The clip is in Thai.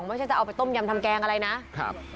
จะเอาไปต้มยำทำแกงอะไรนะครับ